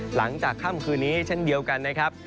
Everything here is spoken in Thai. หลังจากค่ำคืนนี้เช่นเดียวกันนะครับ